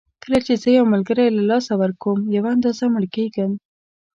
کله چې زه یو ملګری له لاسه ورکوم یوه اندازه مړ کېږم.